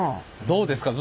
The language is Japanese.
どうですか？